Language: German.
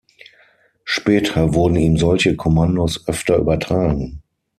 Später wurden ihm solche Kommandos öfter übertragen.